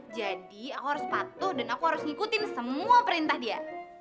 jadi aku harus patuh dan aku harus ngikutin semua perintah dia